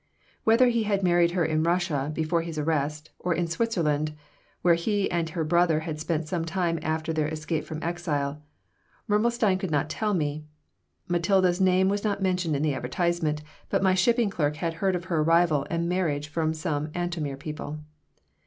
Whether he had married her in Russia, before his arrest, or in Switzerland, where he and her brother had spent some time after their escape from exile, Mirmelstein could not tell me. Matilda's name was not mentioned in the advertisement, but my shipping clerk had heard of her arrival and marriage from some Antomir people.